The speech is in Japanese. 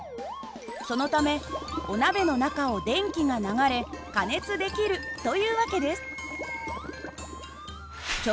そのためお鍋の中を電気が流れ加熱できるという訳です。